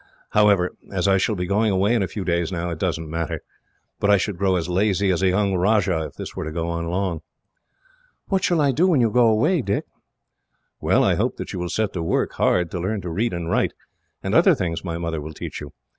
However, as I shall be going away in a few days now, it does not matter; but I should grow as lazy as a young rajah, if this were to go on long." "What shall I do when you go away, Dick?" "Well, I hope that you will set to work, hard, to learn to read and write, and other things my mother will teach you.